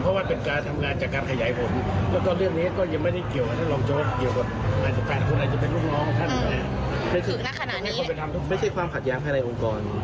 เพราะว่าเป็นการทำงานจัดการขยายผลแล้วก็เรื่องนี้ก็ยังไม่ได้เกี่ยวกับท่านรองโจ๊ก